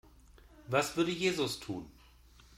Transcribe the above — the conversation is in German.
Was würde Jesus tun?